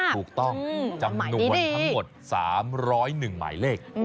ถูกต้องจำนวนทั้งหมด๓๐๑หมายเลข